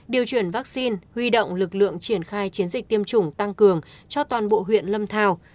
điều chuyển vaccine huy động lực lượng triển khai chiến dịch tiêm chủng tăng cường cho toàn bộ huyện lâm thao